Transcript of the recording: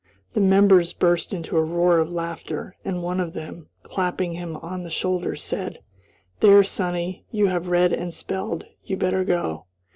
The members burst into a roar of laughter, and one of them, clapping him on the shoulder, said: "There, sonny, you have read and spelled; you better go."